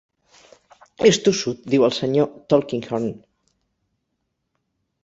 "És tossut," diu el senyor Tulkinghorn.